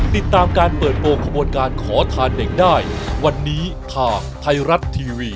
ติดตามการเปิดโปรงขบวนการขอทานเด็กได้วันนี้ทางไทยรัฐทีวี